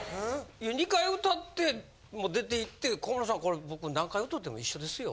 ２回歌ってもう出て行って「小室さんこれ僕何回歌ても一緒ですよ」